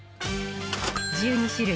１２種類